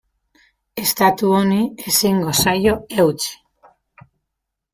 Estatu honi ezingo zaio eutsi.